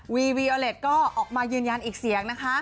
วีวีอเล็ตก็ออกมายืนยันอีกเสียงนะคะ